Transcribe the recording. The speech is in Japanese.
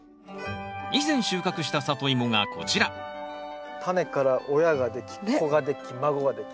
以前収穫したサトイモがこちらタネから親ができ子ができ孫ができ。